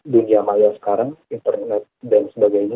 dunia maya sekarang internet dan sebagainya